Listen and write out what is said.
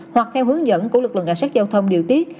hoặc theo hướng dẫn của lực lượng cảnh sát giao thông điều tiết